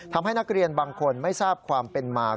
ทำให้นักเรียนบางคนไม่ทราบความเป็นมา